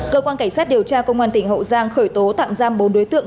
cơ quan cảnh sát điều tra công an tỉnh hậu giang khởi tố tạm giam bốn đối tượng